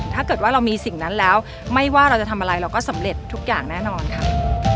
ถ้าเกิดว่าเรามีสิ่งนั้นแล้วไม่ว่าเราจะทำอะไรเราก็สำเร็จทุกอย่างแน่นอนค่ะ